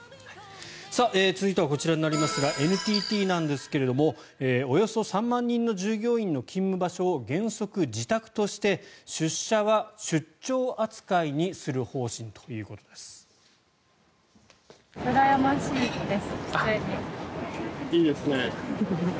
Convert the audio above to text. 続いてはこちらになりますがＮＴＴなんですけれどもおよそ３万人の従業員の勤務場所を原則自宅として出社は出張扱いにする方針ということです。